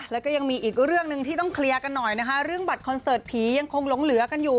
แล้วก็ยังมีอีกเรื่องหนึ่งที่ต้องเคลียร์กันหน่อยนะคะเรื่องบัตรคอนเสิร์ตผียังคงหลงเหลือกันอยู่